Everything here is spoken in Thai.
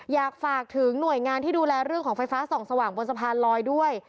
อยากฝากถึงหน่วยงานที่ดูแลเรื่องของไฟฟ้าส่องสว่างบนสะพานลอยด้วย